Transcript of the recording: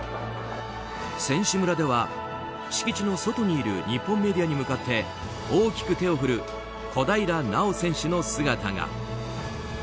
選手村では敷地の外にいる日本メディアに向かって大きく手を振る小平奈緒選手の姿が。